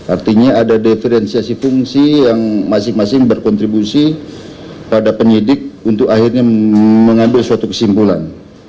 artinya ada diferensiasi fungsi yang masing masing berkontribusi pada penyidik untuk akhirnya mengambil suatu kesimpulan